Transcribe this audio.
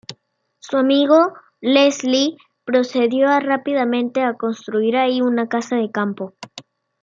Su amigo Leslie procedió rápidamente a construir allí una casa de campo.